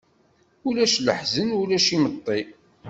Ulac leḥzen, ulac imeṭṭi.